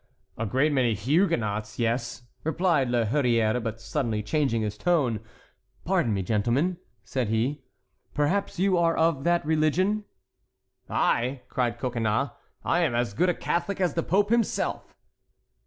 "A great many Huguenots—yes," replied La Hurière, but suddenly changing his tone: "Pardon me, gentlemen," said he, "perhaps you are of that religion?" "I," cried Coconnas, "I am as good a Catholic as the pope himself."